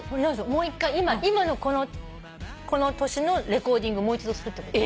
もう１回今のこの年のレコーディングをもう一度するってこと。